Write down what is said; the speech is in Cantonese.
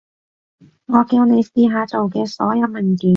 我叫你試下做嘅所有文件